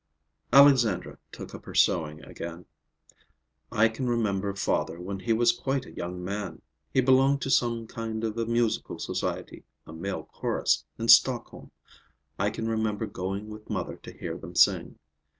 Alexandra took up her sewing again. "I can remember father when he was quite a young man. He belonged to some kind of a musical society, a male chorus, in Stockholm. I can remember going with mother to hear them sing.